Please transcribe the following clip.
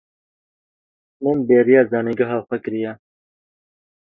Min bêriya zanîngeha xwe kiriye.